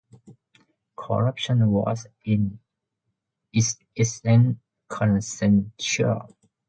Corruption was, in its essence, consensual.